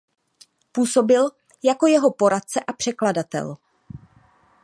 Působil jako jeho poradce a překladatel.